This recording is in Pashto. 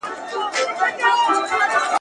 په لویه جرګه کي د پوهانو لیکني څنګه لوستل کېږي؟